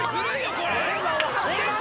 これ。